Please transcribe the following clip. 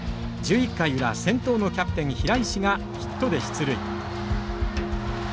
１１回裏先頭のキャプテン平石がヒットで出塁。